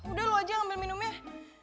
udah lo aja ambil minumnya